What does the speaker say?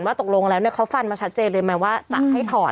ตกลงแล้วเขาฟันมาชัดเจนเลยไหมว่าจะให้ถอด